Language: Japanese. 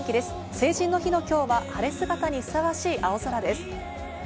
成人の日の今日は、晴れ姿にふさわしい青空です。